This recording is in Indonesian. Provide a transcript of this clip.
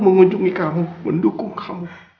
mengunjungi kamu mendukung kamu